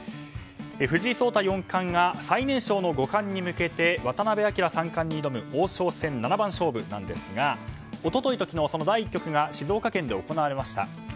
藤井聡太四冠が最年少の五冠に向けて渡辺明三冠に挑む王将戦七番勝負ですが一昨日と昨日、その第１局が静岡県で行われました。